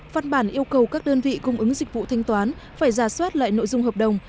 văn bản yêu cầu các đơn vị cung ứng dịch vụ thanh toán phải giả soát lại nội dung hợp đồng